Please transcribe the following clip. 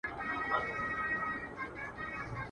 د شنه چنار په ننداره وزمه.